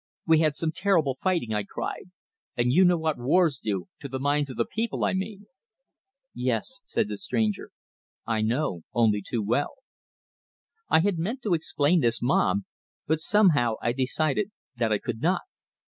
"We had some terrible fighting," I cried. "And you know what wars do to the minds of the people, I mean." "Yes," said the stranger, "I know, only too well." I had meant to explain this mob; but somehow, I decided that I could not.